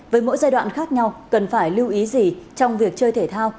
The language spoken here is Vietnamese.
với mỗi giai đoạn khác nhau cần phải lưu ý gì trong việc chơi thể thao